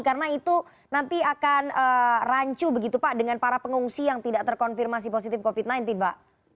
karena itu nanti akan rancu begitu pak dengan para pengungsi yang tiba tiba